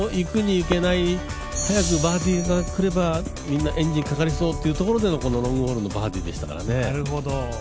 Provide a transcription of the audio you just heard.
なんかけん制し合っているようないくにいけない、早くバーディーが来ればみんなエンジンかかりそうというところでのこのロングホールのバーディーでしたからね。